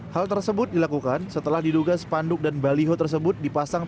hal tersebut dilakukan setelah diduga spanduk dan baliho tersebut dipasang